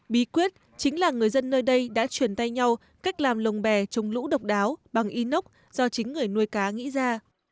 bí quyết chính là người dân nơi đây đã truyền tay nhau cách làm lồng bè trồng lũ độc đáo bằng inox do chính người nuôi cá nghĩ ra